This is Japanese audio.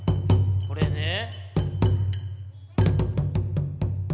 これねぇ。